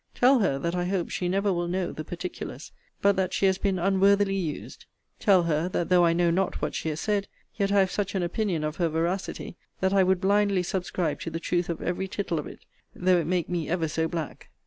Tell her, that I hope she never will know the particulars; but that she has been unworthily used: tell her, that though I know not what she has said, yet I have such an opinion of her veracity, that I would blindly subscribe to the truth of every tittle of it, though it make me ever so black.